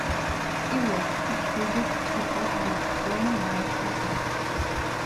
He was succeeded atop the throne by Hataz.